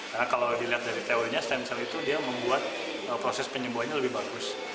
karena kalau dilihat dari teorinya stem cell itu dia membuat proses penyembuhannya lebih bagus